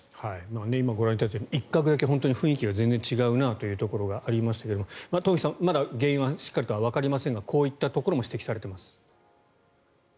今、ご覧いただいたように一画だけ雰囲気が違うなというところがありましたが東輝さん、まだ原因はしっかりわかりませんがこういったところも指摘されています。